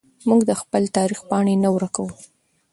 موږ د خپل تاریخ پاڼې نه ورکوو.